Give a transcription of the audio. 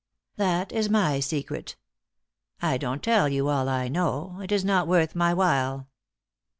"That is my secret. I don't tell you all I know. It is not worth my while."